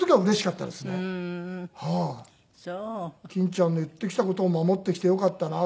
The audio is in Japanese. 欽ちゃんの言ってきた事を守ってきてよかったな。